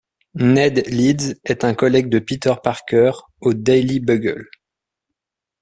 Ned Leeds est un collègue de Peter Parker au Daily Bugle.